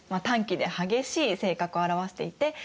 短気で激しい性格を表していて。